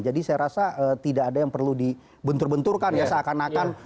jadi saya rasa tidak ada yang perlu dibentur benturkan ya seakan akan